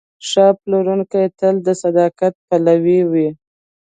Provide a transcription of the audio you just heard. ښه پلورونکی تل د صداقت پلوی وي.